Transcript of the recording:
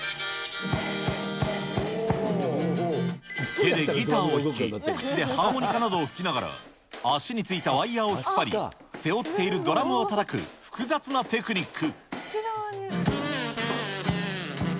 手でギターを弾き、口でハーモニカなどを吹きながら、足についたワイヤーを引っ張り、背負っているドラムをたたく複雑なテクニック。